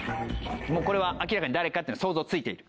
もうこれは明らかに誰かっていうのは想像ついてる？